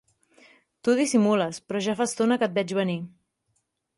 Tu dissimules, però ja fa estona que et veig venir!